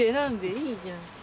いいじゃん。